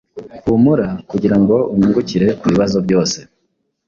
Humura kugirango unyungukire kubibazo byose